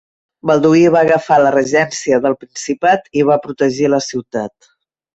Balduí va agafar la regència del principat i va protegir la ciutat.